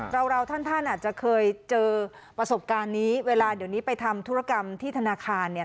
เราท่านอาจจะเคยเจอประสบการณ์นี้เวลาเดี๋ยวนี้ไปทำธุรกรรมที่ธนาคารเนี่ย